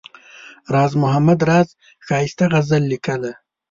راز محمد راز ښایسته غزل لیکله.